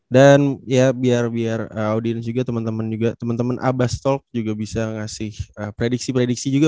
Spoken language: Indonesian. dan ya biar audiens juga teman teman juga teman teman abastol juga bisa ngasih prediksi prediksi juga